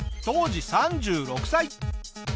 当時３６歳。